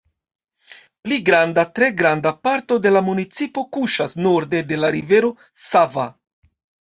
Pli granda, tre granda parto de la municipo kuŝas norde de la Rivero Sava.